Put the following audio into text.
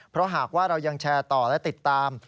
เพราะหากว่าเรายังแชร์ต่อและติดตาม